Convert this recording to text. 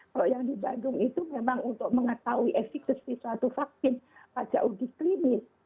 kalau yang di bandung itu memang untuk mengetahui efektivity suatu vaksin pada uji klinis